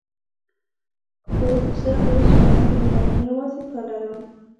خو زه اوس مذهب نه لرم، یوازې تا لرم.